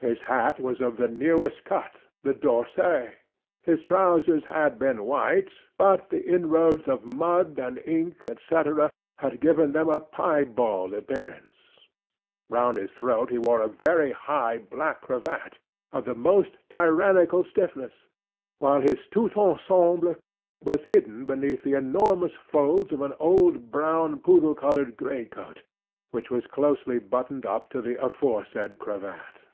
His hat was of the newest cut, the D'Orsay; his trousers had been white, but the inroads of mud and ink, etc., had given them a pie bald appearance; round his throat he wore a very high black cravat, of the most tyrannical stiffness; while his tout ensemble was hidden beneath the enormous folds of an old brown poodle collared great coat, which was closely buttoned up to the aforesaid cravat.